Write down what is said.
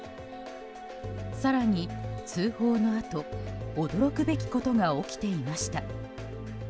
更に、通報のあと驚くべきことが起きていました。